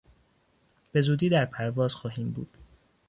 بزودی در پرواز خواهیم بود.